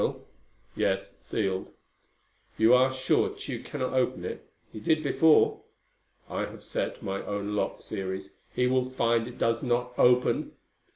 "Yes. Sealed." "You are sure Tugh cannot open it? He did before." "I have set my own lock series. He will find it does not open."